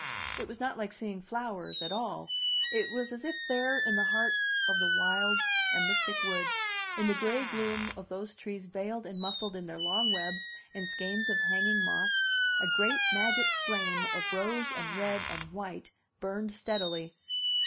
It was not like seeing flowers at all; it was as if there, in the heart of the wild and mystic wood, in the gray gloom of those trees veiled and muffled in their long webs and skeins of hanging moss, a great, magic flame of rose and red and white burned steadily.